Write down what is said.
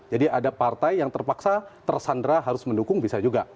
jadi ada partai yang terpaksa tersandra harus mendukung bisa juga